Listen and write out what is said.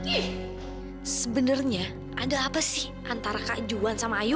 ih sebenernya ada apa sih antara kak juan sama ayu